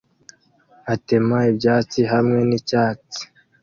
atema ibyatsi hamwe nicyatsi